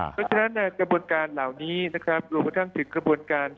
เพราะฉะนั้นกระบวนการเหล่านี้นะครับรวมกระทั่งถึงกระบวนการ